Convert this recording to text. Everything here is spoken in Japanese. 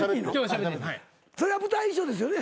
それは舞台衣装ですよね？